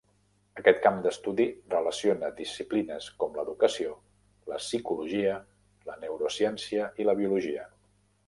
Aquest camp d'estudi relaciona disciplines com l'educació, la psicologia, la neurociència i la biologia.